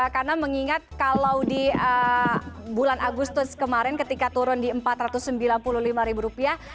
karena mengingat kalau di bulan agustus kemarin ketika turun di empat ratus sembilan puluh lima ribu rupiah